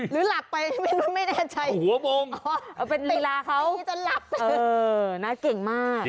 หรือหลักไปไม่แน่ใจเอาเป็นลีลาเขาเออน่าเก่งมาก